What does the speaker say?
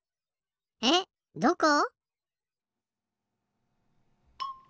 えっどこ？